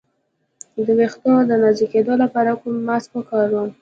د ویښتو د نازکیدو لپاره کوم ماسک وکاروم؟